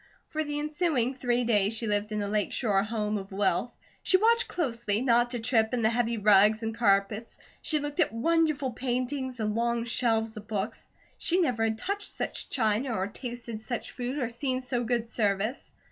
For the ensuing three days she lived in a Lake Shore home of wealth. She watched closely not to trip in the heavy rugs and carpets. She looked at wonderful paintings and long shelves of books. She never had touched such china, or tasted such food or seen so good service.